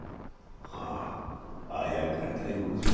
はああやかりたいものじゃ。